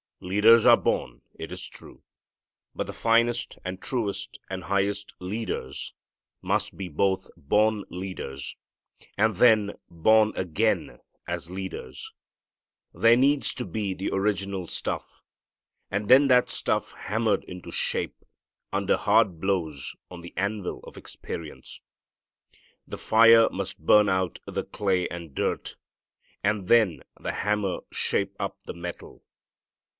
Leaders are born, it is true. But the finest and truest and highest leaders must be both born leaders, and then born again as leaders. There needs to be the original stuff, and then that stuff hammered into shape under hard blows on the anvil of experience. The fire must burn out the clay and dirt, and then the hammer shape up the metal.